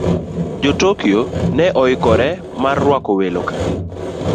Jo - Tokyo ne oikore mar rwako welo ka